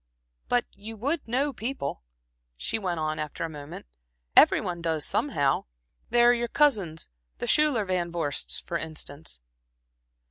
"But you would know people," she went on, after a moment "every one does somehow. There are your cousins, the Schuyler Van Vorsts, for instance."